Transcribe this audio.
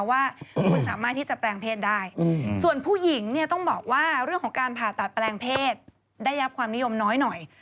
ว่าคุณสามารถที่จะแปลงเพศได้ส่วนผู้หญิงเนี่ยต้องบอกว่าเรื่องของการผ่าตัดแปลงเพศได้รับความนิยมน้อยหน่อย